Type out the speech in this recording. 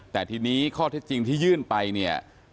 แต่ทีนี้ข้อเท็จจริงที่ยื่นไปเนี่ย